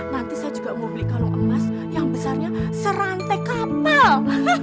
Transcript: nanti saya juga mau beli kalung emas yang besarnya serantai kapal